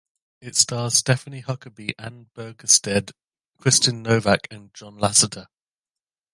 It stars Steffany Huckaby, Annie Burgstede, Kristin Novak, and Jason Lasater.